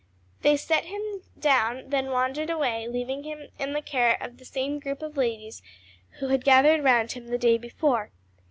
They set him down, then wandered away, leaving him in the care of the same group of ladies who had gathered round him the day before.